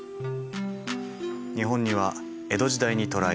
日本には江戸時代に渡来。